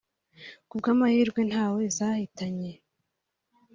kubw’amahirwe ntawe zahitanye